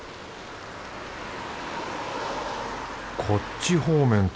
こっち方面